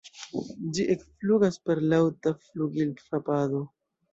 Ĝi ekflugas per laŭta flugilfrapado.